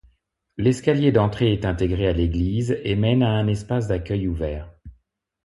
L’escalier d’entrée est intégré à l’église et mène à un espace d’accueil ouvert.